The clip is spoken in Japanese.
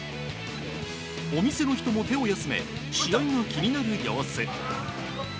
お店の人も手を休め試合が気になる様子。